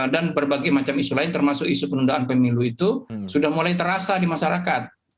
dan berbagai macam isu lain termasuk isu penundaan pemilu itu sudah mulai terasa di masyarakat